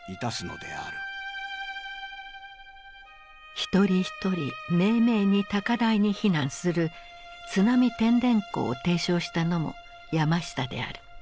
一人一人めいめいに高台に避難する「津波てんでんこ」を提唱したのも山下である。